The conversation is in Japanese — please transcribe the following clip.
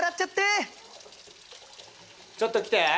ちょっと来て！